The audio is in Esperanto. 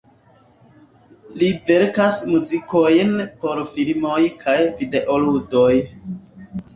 Li verkas muzikojn por filmoj kaj videoludoj.